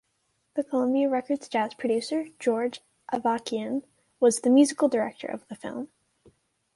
The Columbia Records jazz producer, George Avakian, was the musical director of the film.